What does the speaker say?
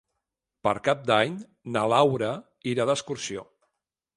Per Cap d'Any na Laura irà d'excursió.